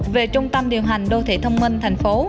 về trung tâm điều hành đô thị thông minh thành phố